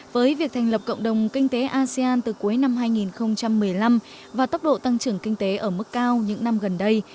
với việc thành lập cộng đồng kinh tế asean từ cuối năm hai nghìn một mươi năm và tốc độ tăng trưởng kinh tế ở mức cao những năm gần đây